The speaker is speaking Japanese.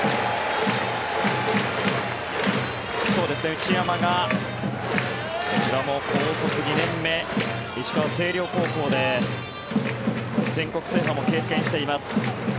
内山が、こちらも高卒２年目石川・星稜高校で全国制覇も経験しています。